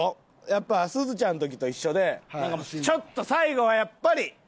やっぱすずちゃんの時と一緒でちょっと最後はやっぱり。